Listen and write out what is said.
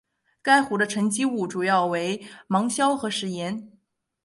该湖的沉积物主要为芒硝和石盐。